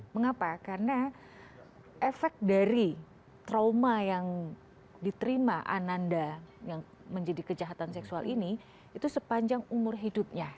mengapa karena efek dari trauma yang diterima ananda yang menjadi kejahatan seksual ini itu sepanjang umur hidupnya